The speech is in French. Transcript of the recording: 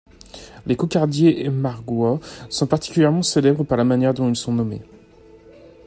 Les cocardiers aimarguois sont particulièrement célèbres par la manière dont ils sont nommés.